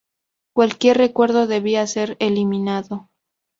Cualquier recuerdo debía ser eliminado.